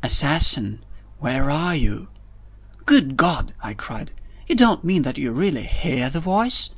Assassin! where are you?" "Good God!" I cried. "You don't mean that you really hear the voice?"